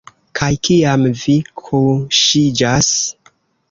Kaj kiam vi kuŝiĝas?